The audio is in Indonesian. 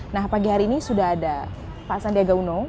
nah pagi hari ini sudah ada pak sandiaga uno